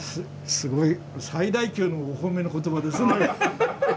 すごい最大級のお褒めの言葉ですね。